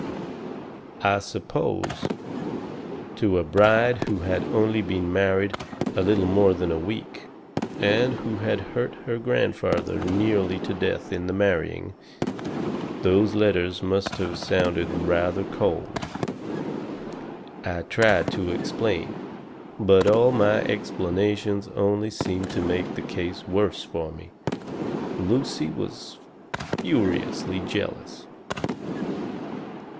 "I suppose to a bride who had only been married a little more than a week and who had hurt her grandfather nearly to death in the marrying, those letters must have sounded rather odd. I tried to explain. But all my explanations only seemed to make the case worse for me. Lucy was furiously jealous.